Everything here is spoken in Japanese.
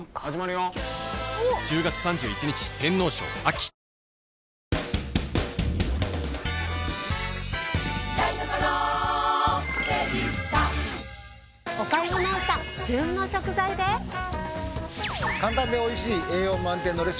はい。